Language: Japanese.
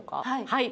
はい。